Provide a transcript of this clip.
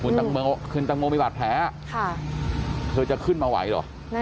คุณตังโมคืนตังโมมีบาดแผลค่ะเธอจะขึ้นมาไหวหรอ